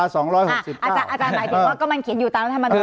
อาจารย์หมายถึงว่าก็มันเขียนอยู่ตามวันนี้